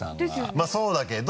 まぁそうだけど。